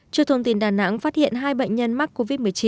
trước thông tin đà nẵng phát hiện hai bệnh nhân mắc covid một mươi chín